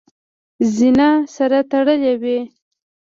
زینه سره تړلې وي .